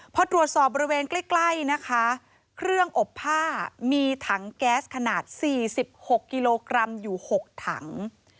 พอตรวจสอบบริเวณใกล้นะคะเครื่องอบผ้ามีถังแก๊สขนาด๔๖กิโลกรัมอยู่๖ถัง